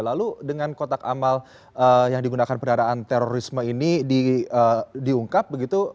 lalu dengan kotak amal yang digunakan pendaraan terorisme ini diungkap begitu